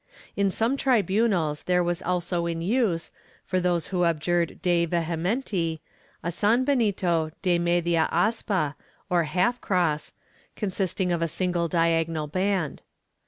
^ In some tribunals there was also in use, for those who abjiu ed de vehementi, a sanbenito de media aspa, or half cross, consisting of a single diagonal band.